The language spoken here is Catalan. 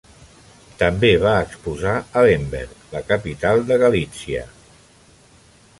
També va exposar a Lemberg, la capital de Galítsia.